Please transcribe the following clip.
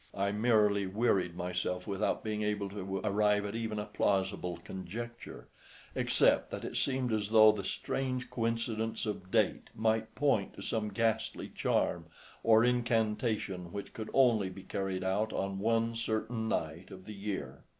I merely wearied myself without being able to arrive at even a plausible conjecture, except that it seemed as though the strange coincidence of date might point to some ghastly charm or incantation which could only be carried out on one certain night of the year.